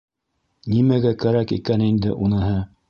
Нимәгә кәрәк икән инде уныһы?